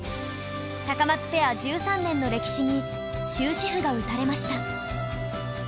タカマツペア１３年の歴史に終止符が打たれました